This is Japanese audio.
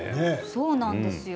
そうなんですよ